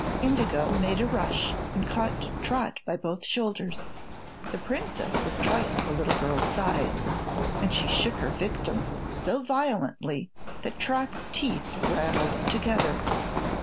Indigo made a rush and caught Trot by both shoulders. The Princess was twice the little girl's size and she shook her victim so violently that Trot's teeth rattled together.